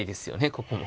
ここも。